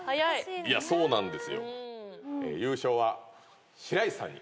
いやそうなんですよ。